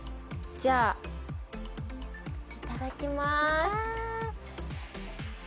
じゃ、いただきます。